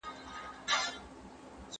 تولستوی د تاریخي پېښو هنري شننه کوي.